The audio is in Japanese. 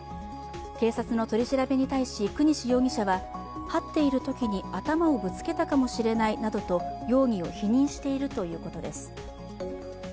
警察の取り調べに対し國司容疑者は、はっているときに頭をぶつけたかもしれないなどと容疑を否認しているということです。